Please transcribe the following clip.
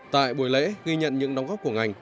tại buổi lễ ghi nhận những đóng góp của ngành